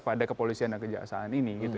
pada kepolisian dan kejaksaan